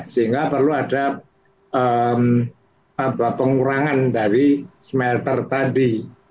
sehingga perlu ada pengurangan dari smelter tadi